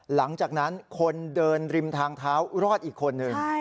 หลังจากนั้นคนเดินริมทางเท้ารอดอีกคนหนึ่ง